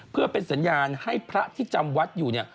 เพื่อเป็นสัญญาณให้พระที่จำวัดอยู่เนี่ย